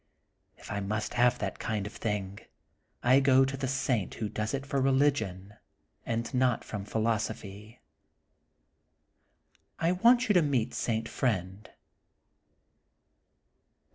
If I must have that kind of thing, I go to the saint who does it for religion and not from philosophy, I want you to meet St. Friend.